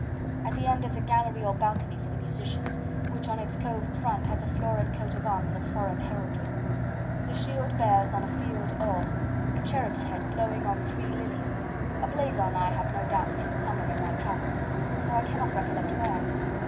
At the end is a gallery or balcony for the musicians, which on its coved front has a florid coat of arms of foreign heraldry. The shield bears, on a field or, a cherub's head blowing on three lilies a blazon I have no doubt seen somewhere in my travels, though I cannot recollect where.